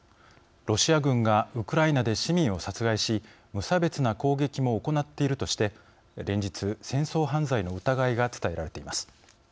ロシア軍がウクライナで市民を殺害し無差別な攻撃も行っているとして連日、戦争犯罪の疑いが伝えられています。